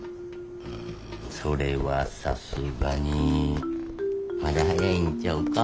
うんそれはさすがにまだ早いんちゃうか？